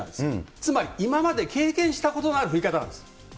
つまり今まで経験したことのある降り方なんです。